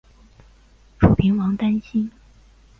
楚平王担心。